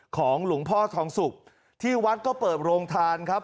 ของหลวงพ่อทองสุกที่วัดก็เปิดโรงทานครับ